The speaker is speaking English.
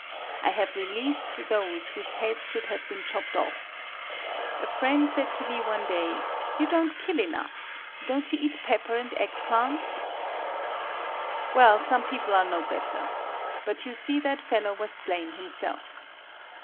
I have released those whose heads should have been chopped off. A friend said to me one day, 'You don't kill enough. Don't you eat pepper and egg plants?' Well, some people are no better! But you see that fellow was slain himself.